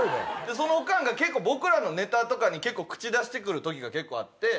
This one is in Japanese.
そのオカンが僕らのネタとかに口出して来る時が結構あって。